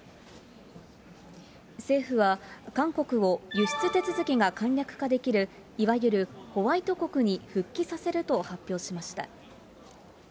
政府は、韓国を輸出手続きが簡略化できるいわゆるホワイト国に復帰させると発表しました。